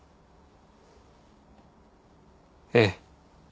ええ。